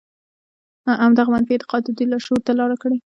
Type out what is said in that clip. همدغه منفي اعتقاد د دوی لاشعور ته لاره کړې